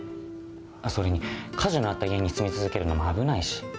それに火事のあった家に住み続けるのも危ないし。